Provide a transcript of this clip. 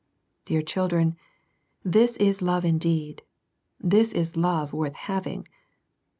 Dear children, this is love indeed; this is love worth having.